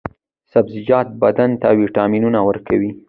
سبزیجات بدن ته ویټامینونه ورکوي.